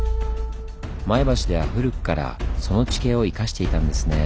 前橋では古くからその地形を生かしていたんですねぇ。